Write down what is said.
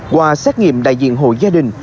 qua xét nghiệm đại diện hội gia đình